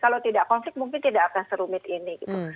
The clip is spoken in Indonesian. kalau tidak konflik mungkin tidak akan serumit ini gitu